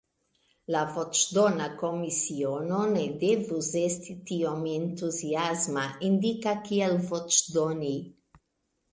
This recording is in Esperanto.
La voĉdona komisiono ne devus esti tiom entuziasma, indika kiel voĉdoni.